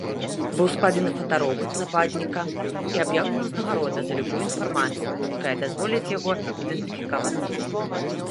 Быў складзены фотаробат нападніка і аб'яўлена ўзнагарода за любую інфармацыю, якая дазволіць яго ідэнтыфікаваць.